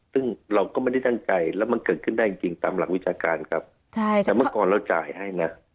ซึ่งเราก็ไม่ได้ตั้งใจแล้วมันเกิดขึ้นได้จริงตามหลักวิชาการครับแต่เมื่อก่อนเราจ่ายให้นะ